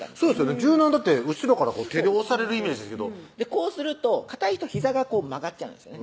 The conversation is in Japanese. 柔軟だって後ろから手で押されるイメージですけどこうするとかたい人ひざが曲がっちゃうんですよね